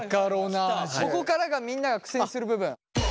ここからがみんなが苦戦する部分。